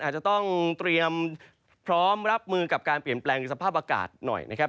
อาจจะต้องเตรียมพร้อมรับมือกับการเปลี่ยนแปลงสภาพอากาศหน่อยนะครับ